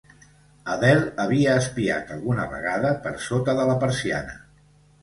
Adele havia espiat alguna vegada per sota de la persiana.